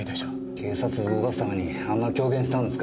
警察を動かすためにあんな狂言したんですか？